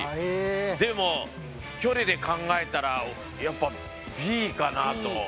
でも距離で考えたらやっぱＢかなと。